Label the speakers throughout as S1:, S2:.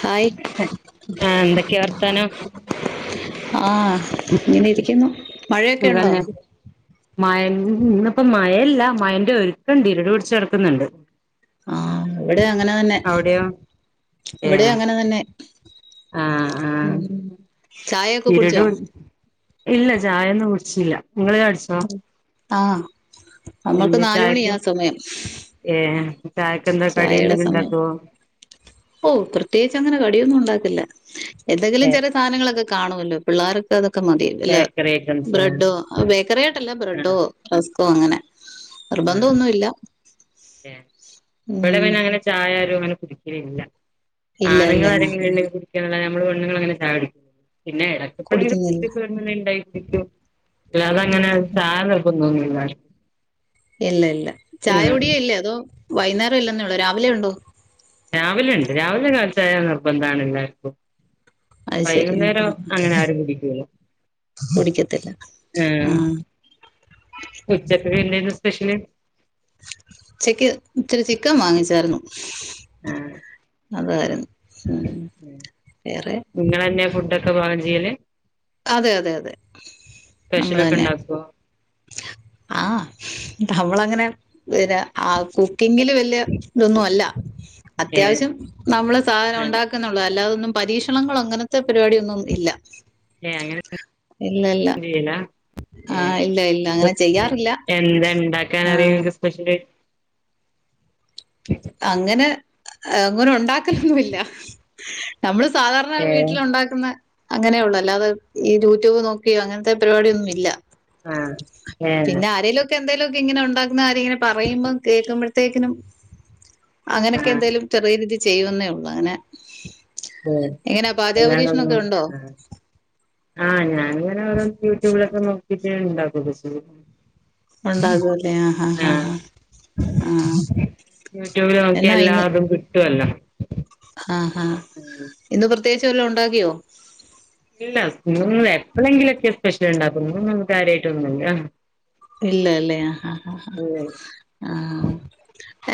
S1: Hi
S2: ആഹ് എന്തൊക്കെയാ വർത്താനം
S1: ആഹ് ഇങ്ങനെ ഇരിക്കുന്നു. മഴയൊക്കെ ഉണ്ടോ
S2: സുഖന്നെ മയൻ ഇന്നിപ്പ മയല്ല മയന്റെ ഒരുക്കുണ്ട് ഇരുള് പിടിച്ചെടക്കുന്നുണ്ട്.
S1: ആഹ് ഇവിടെ അങ്ങനെ തന്നെ
S2: അവിടെയോ
S1: ഇവിടെ
S2: ഏഹ്
S1: അങ്ങനെ തന്നെ
S2: ആഹ് ആഹ്
S1: ഉം ചായ ഒക്കെ
S2: ഇരുട്
S1: കുടിച്ചോ?
S2: ഇല്ല ചായൊന്നും കുടിച്ചില്ല നിങ്ങൾ ചായ കുടിചോ?
S1: ആഹ്
S2: എന്താ ചായക്ക് ഏഹ് ചായക്ക് എന്താ കടി
S1: ചായയുടെ
S2: എന്തെങ്കിലും
S1: സമയം
S2: ഉണ്ടാക്കുവോ
S1: ഓഹ് പ്രത്യേകിച്ച് അങ്ങനെ കടിയൊന്നും ഉണ്ടാക്കല്ല എന്തെങ്കിലും
S2: ഏഹ്
S1: ചെറിയ സാധനങ്ങളൊക്കെ കാണുമല്ലോ പിള്ളേർക്ക് അതൊക്കെ മതി ഇല്ല
S2: ബേക്കറി ഐറ്റംസ് ആഹ്
S1: ബ്രെഡോ ബേക്കറി ആയിട്ടല്ലേ ബ്രെഡോ? റസ്കോ അങ്ങനെ നിർബന്ധ
S2: ആഹ്
S1: ഒന്നുല്ല
S2: ഇവിടെ പിന്നെ അങ്ങനെ ചായാരും അങ്ങനെ കുടിക്കലില്ല
S1: ഇല്ല അല്ലേ ആ
S2: ആണ്ങ്ങളാരെങ്കിലും അല്ലേ കിള്ളേ നമ്മൾ വെണ്ണ്ങ്ങളങ്ങനെ ചായടിക്ക് പിന്നെ ഇടക്കപ്പഴെങ്കിലും
S1: കുടിക്കുന്നില്ല
S2: പൂതിയൊക്കെ വരുമ്പോ എന്തേലും ണ്ടാക്കി കുടിക്കും ല്ലാതങ്ങനെ ചായ നിർബന്ധം ഒന്നില്ല
S1: ഇല്ല ഇല്ല ചായ
S2: ആഹ്
S1: കുടിയെ ഇല്ലെ അതോ വൈന്നേരം ഇല്ലെന്നേ ഉള്ളൊ രാവിലെ ഉണ്ടോ?
S2: രാവിലെ ഇണ്ട് രാവിലെ കാൽച്ചായ നിർബന്താണ് എല്ലാർക്കും
S1: അത് ശരി ഉം,
S2: വൈകുന്നേരം
S1: ഉം, ഉം.
S2: അങ്ങനെ ആരും കുടിക്കൂല്ല.
S1: കുടിക്കത്തില്ല ആഹ്.
S2: ഉച്ചക്ക് പിന്നെര്ന്നു സ്പെഷ്യല്?
S1: ഉചക്ക് ഇച്ചിരി ചിക്കൻ വാങ്ങിച്ചാര്ന്നു.
S2: ആഹ്
S1: അതെ ഉം വേറെ
S2: ഇങ്ങളന്നെയ ഫുഡ്ഡൊക്ക പാകം ചിയ്യല്?
S1: അതെ അതെ അതെ നമ്മള്
S2: സ്പെഷ്യലൊക്കെ
S1: തന്നെയ.
S2: ഉണ്ടാക്കുവോ
S1: ആഹ് അവളങ്ങനെ പിന്നെ ആവ് കുക്കിങ്ങില് വല്യ ഇതൊന്നല്ല
S2: ഏഹ്
S1: അത്യാവശ്യം നമ്മള് സധനം
S2: ആഹ്
S1: ഉണ്ടാക്ക് ള്ളത് അല്ലാതൊന്നും പരീക്ഷണങ്ങളോ അങ്ങനത്തെ പരിപാടിയൊന്നും ഇല്ല.
S2: ഏഹ് അങ്ങനെ
S1: ഇല്ല ഇല്ല
S2: ഒന്നും ചെയ്യൂല്ല.
S1: ആ
S2: ഏഹ്
S1: ഇല്ല ഇല്ല അങ്ങനെ ചെയ്യാറില്ല
S2: എന്ത ഇണ്ടാക്കനറിയും
S1: ആ
S2: ഇങ്ങക് സ്പെഷ്യല്.
S1: അങ്ങനെ അങ്ങനെ ഉണ്ടാക്കലൊന്നുല്ല നമ്മള് സാധാര്ണ
S2: ഏഹ്
S1: വീട്ടില് ഉണ്ടാക്ക അങ്ങനെയെ ഉള്ളു അല്ലാതെ ഈ യൂട്യൂബ് നോക്കി അങ്ങനത്തെ പരിപാടിയൊന്നും ഇല്ല.
S2: ആഹ് ഏഹ്
S1: പിന്നെ ആരേലൊക്ക എന്തേലൊക്ക ഇങ്ങനെ ഉണ്ടാക്ക്ന്ന കാര്യം ഇങ്ങനെ പറയുമ്പ കേൾക്കുമ്പ ത്തേക്കിനും അങ്ങനൊക്കെ
S2: ആഹ്
S1: എന്തേലും ചെറിയ രീതി ചെയ്യന്നേ ഉള്ളൂ അങ്ങനെ
S2: ഉം
S1: എങ്ങന പാചക പരീക്ഷണൊക്ക
S2: അല്ലാണ്ടൊന്നും
S1: ഉണ്ടോ?
S2: ആഹ് ആഹ് ഞാനിങ്ങനെ ഓരോ യൂട്യൂബിലൊക്ക നോക്കീട്ട് ഇണ്ടാക്ക ഒക്കെ ചെയ്യും.
S1: ഉണ്ടാകുംല്ലേ ആഹഹാ ഹ
S2: ആഹ്
S1: ഹാ ആഹ് എന്നാ ഇന്ന്
S2: റ്റു അല്ല
S1: ആഹ് ഹാ ഇന്ന് പ്രത്യേകിച്ച് വല്ലൊം ഉണ്ടാക്കിയോ?
S2: ഇല്ല എപ്പഴെങ്കിലൊക്കെ സ്പെഷ്യല് ഇണ്ടാക്കൊള്ളു ഇന്ന് കാര്യായിട്ടൊന്നുല്ല
S1: ഇല്ലലേ ആഹ് ഹാ ഹാ
S2: ഇല്ല
S1: ആഹ്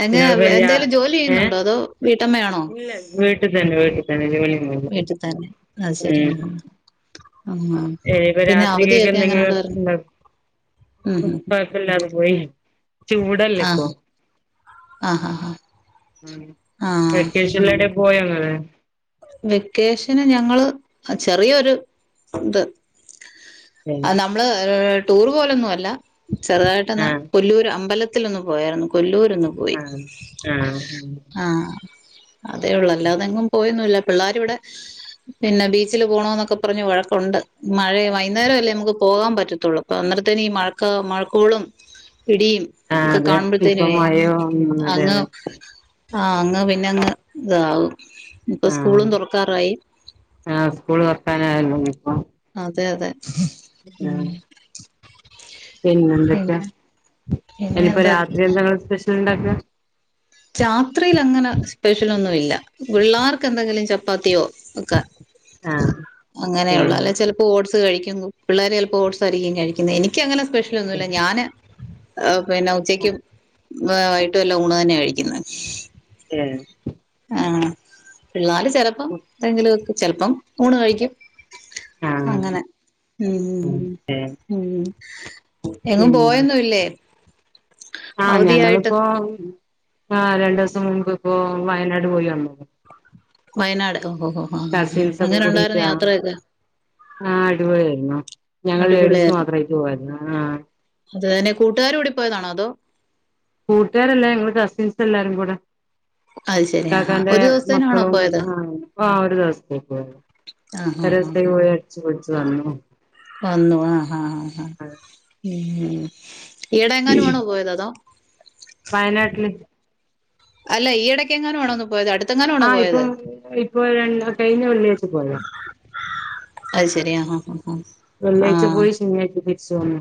S1: എങ്കെ
S2: ഇങ്ങള് പെയ്യാ
S1: എന്തേലും ജോലിയ്യ്ന്നുണ്ടൊ അതോ വീട്ടമ്മയാണൊ
S2: ല്ല വീട്ടി തന്നെ വീട്ടി തന്നെ ജോലി
S1: വീട്ടി തന്നെ അത് സരിയാ ആഹ്
S2: ഏഹ് പ്പൊ
S1: പിന്നെ
S2: രാത്രികക്ക്
S1: അവധിയൊക്കെ എങ്ങനെ
S2: എന്തെങ്കിലും
S1: ഉണ്ടായിരുന്നു
S2: ഇണ്ടാകും
S1: ഉം ഉം
S2: കൊഴപ്പല്ലാതെ പോയി ചൂടല്ലെ ഇപ്പൊ
S1: ആഹ് ആഹ് ആഹ്
S2: ഉം
S1: ആഹ്
S2: വെക്കേഷൻല് എവടെ പോയൊ ഇങ്ങള്
S1: വെക്കേഷന് ഞങ്ങള് ചെറിയൊരു ട്രിപ്പ്‌ ആ നമ്മള് ടൂർ പോവലൊന്നും അല്ല ചെറുതായിട്ടൊന്ന്
S2: ആഹ്
S1: കൊല്ലൂര് അമ്പലത്തിലൊന്ന് പോയാർന്നു കൊല്ലൂര് ഒന്ന് പോയി
S2: ആഹ് ആഹ്
S1: ആഹ് അതേ ഉള്ളു അല്ലാതെങ്ങും പോയൊന്നുല്ല പിള്ളാര് ഇവടെ പിന്നെ ബീച്ചില് പോണോന്നൊക്കെ പറ്ഞ്ഞ് വഴക്കുണ്ട് മഴെ വൈകുന്നേരല്ലെ നമുക്ക് പോകാൻ പറ്റത്തുള്ളു ഇപ്പ അന്നേര്ത്തിന് ഈ മഴക്കോളും ഇടീം
S2: ആഹ്
S1: ഒക്ക
S2: അതെ
S1: കാണുമ്പൾത്തേനെ
S2: ഇപ്പം മഴയോ ഉം അതെ
S1: അങ്ങ്
S2: അതെ
S1: ആഹ് അങ്ങ് പിന്ന അങ്ങ് ഇതാവും ഇപ്പൊ സ്കൂളും തൊറ്ക്കാറായി
S2: ആഹാ സ്കൂള് തൊറ്ക്കാന ആയല്ലൊ ഇഞിപ്പൊ
S1: അതെ അതെ
S2: പിന്നെ എന്തൊക്കെ
S1: പിന്നെ പിന്നെ
S2: ഇഞിപ്പൊ
S1: എന്താ
S2: രാത്രി എന്ത ഇങ്ങള് സ്പെഷ്യൽ ഇണ്ടാക്ക
S1: രാത്രിയില അങ്ങനെ സ്പെഷ്യലൊന്നുല്ല പിള്ളാർക്ക് എന്തെങ്കിലും ചപ്പാത്ത്യോ ഒക്കെ
S2: ആഹ്
S1: അങ്ങനെ ഉള്ളു
S2: ഏഹ്
S1: അല്ലേ ചെലപ്പൊ ഓട്സ് കഴിക്കുന്നു പിള്ളേര് ചെലപ്പൊ ഓട്സ് ആയിരിക്കും കഴിക്ക്ന്നെ എനിക്കങ്ങനെ സ്പെഷ്യലൊന്നുല്ല
S2: ഏഹ്
S1: ഞാന് പിന്ന ഉച്ചയ്ക്ക് വൈകിട്ടു എല്ല ഊണ് തന്നെ കഴിക്കും
S2: ഏഹ്
S1: ആഹ് പിള്ളാര് ചെലപ്പം എന്തെങ്കിലും ഒക ചെൽപ്പം ഊണ് കഴിക്കും
S2: ആഹ്
S1: അങ്ങനെ
S2: ഏഹ്
S1: എങ്ങും പോയൊന്നുല്ലേ
S2: ആഹ ഞങ്ങളിപ്പോ ആ രണ്ടു ദിവസം മുമ്പ് ഇപ്പോ വയനാട് പോയി വന്നു
S1: വയനാട് ഓ
S2: കസിൻസ് ഒക്കെ
S1: അങ്ങനെ
S2: കൂടിയിട്ട്
S1: ഉണ്ടായിരുന്നു
S2: ആഹ്
S1: യാത്രയൊക്കെ
S2: ആഹ് അടിപൊളിയായിരുന്നു ഞങ്ങൾ ലേഡീസ് മാത്രമായിട്ട പോയതായിരുന്നു
S1: അതെന്നെ കൂട്ടുകാരും കൂടി പോയതാണോ അതോ
S2: കൂട്ടുകാരല്ല ഞങ്ങ കസിൻസ് എല്ലാരും കൂടെ
S1: അത്
S2: ഇ
S1: ശരി ആഹാ
S2: കാക്കാന്റെ
S1: ഒരു ദിവസത്തേനാണോ
S2: മക്കളും
S1: പോയത്
S2: ആ ഒരു ദിവസത്തേകയുള്ളൂ
S1: ആഹഹ് ആഹ് ആഹ
S2: വിളിച്ചു പറഞ്ഞോ
S1: വന്നു ആഹാ ആ ഹാ ഉ ഈടെ എങ്ങാനും ആണോ പോയത് അതോ
S2: വയനാട്ടില്
S1: അല്ല ഈ ഇടക്ക എങ്ങെനു ആണോ പോയത് അടുത്ത്
S2: ആ ഇപ്പൊ ഇപ്പൊ കഴിഞ്ഞ വെള്ളിയാഴച്ച പോയതാ
S1: അത് ശരിയാ ആ ഹ
S2: വെള്ളിയാഴ്ച പോയി ശനിയാഴ്ച തിരിച്ചു വന്നു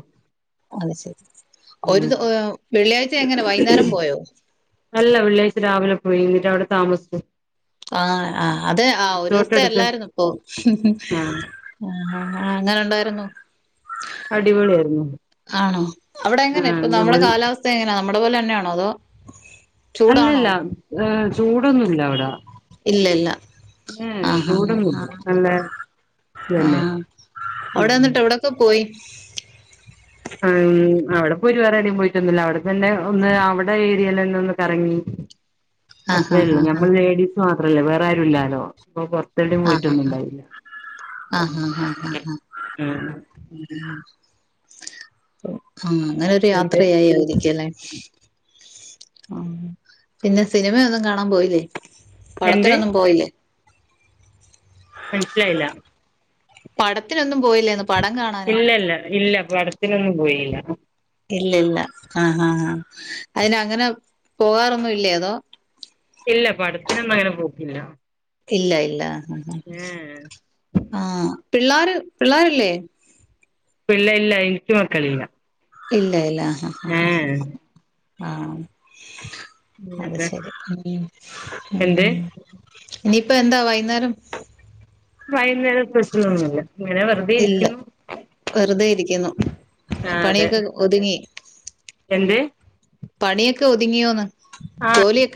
S1: അത് ശരി ഒരു
S2: ഉം
S1: ദു ഏ വെള്ളിയാഴ്ച എങ്ങനെ വൈകുന്നേരം പോയോ
S2: അല്ല വെള്ളിയാഴ്ച രാവിലെ പോയി എന്നിട്ട് അവിടെ താമസിച്ചു
S1: ആഹ ആ അത ആ ഒരു
S2: റിസോർട്ട്
S1: ദിവസത്തെ
S2: എടുത്ത്
S1: എല്ലാരുന്നനോപ്പം
S2: ആഹ്
S1: ആഹ ആ് എങ്ങനെ ഉണ്ടായിരുന്നു
S2: അടിപൊളിയായിരുന്നു
S1: ആണോ അവിടെ എങ്ങനെ
S2: ആഹ്
S1: ഇപ്പൊ നമ്മുടെ
S2: നമ്മൾ
S1: കാലാവസ്ഥ എങ്ങനാ നമ്മുടെ പോലെ തന്നെയാണോ അതോ ചൂടാണോ
S2: അല്ലല്ല ഹ ചൂടൊന്നുല്ല അവിടെ
S1: ഇല്ല ഇല്ല
S2: ഏഹ്
S1: ആഹ് ആഹ്
S2: ചൂടൊന്നുല്ല
S1: ആഹ
S2: നല്ല ഇതന്നെ
S1: ആഹ അവ്ടെ
S2: ഉം
S1: ന്ന്ട്ട് എവ്ടെക്കെ പോയി?
S2: ആ അവിടെപ്പോയിട്ട് വേറെടി പോയിറ്റുന്നുല്ല അവിടെ തന്നെ ഒന്ന് അവിടെ ഏരില് ന്നെ ഒന്ന് കറങ്ങി.
S1: ആഹ്
S2: അത്രെ
S1: ആഹ്
S2: ള്ളൂ
S1: ആഹ്
S2: ഞമ്മൾ ലേഡീസ് മാത്രല്ലേ വേറെ ആരുല്ലാലോ. പ്പ പൊറത്തെടെ
S1: ആഹ്
S2: പോയിറ്റൊന്നു
S1: ആഹ്
S2: ണ്ടാവില്ല ആ.
S1: ആഹ അങ്ങനെരു
S2: എന്ത്
S1: യാത്രയായി അവധിക്കല്ലേ.? ആ പിന്നെ സിനിമെന്നും കാണാ പോയില്ലേ
S2: എന്ത്
S1: പടത്തിനൊന്നും പോയില്ലേ?
S2: മൻസ്സിലായ്ല?
S1: പടത്തിനൊന്നും പോയില്ല.
S2: ഇല്ലല്ല ഇല്ല പടത്തിനോന്നും പോയില്ല.
S1: ഇല്ലല്ല ആ ആ ആഹ് അയ്ന ങ്ങനെ പോകാറൊന്നും ഇല്ലേ അതോ?
S2: ഇല്ല പടിപ്പിനൊന്നും അങ്ങനെ പോക്കില്ല.
S1: ഇല്ല ഇല്ല
S2: ഏഹ്
S1: ആഹ് പിള്ളാര് പിള്ളാരില്ലേ?
S2: പിള്ള ഇല്ല ഇൻകി മക്കളില്ല.
S1: ഇല്ല ഇല്ല ആഹ ഹാ ഹാ
S2: ഏഹ്
S1: ആ. അത്
S2: പിന്നെന്താ
S1: ശരി മ്
S2: എന്ത്
S1: ഇനിപ്പ എന്താ വൈന്നേരം?
S2: വൈന്നേരം സ്‌പെഷലൊന്നുല്ല ഇങ്ങനെ വെറ്
S1: ഇല്ല വെറുതെ ഇരിക്കുന്നു
S2: ആഹ് അതെ
S1: പണിയൊക്കെ ഒതുങ്ങി.
S2: എന്ത്?
S1: പണിയൊക്കെ ഒതുങ്ങിയോന്ന്
S2: ആ
S1: ജോലിയൊക്കെ?